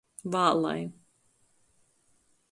Vālai.